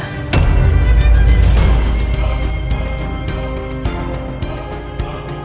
nanti aku akan mampir kesana